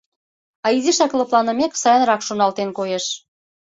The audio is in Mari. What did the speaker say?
А изишак лыпланымек, сайынрак шоналтен, коеш.